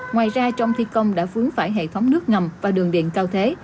ngoài ra trong thi công đã vướng phải hệ thống nước ngầm và đường điện cao thế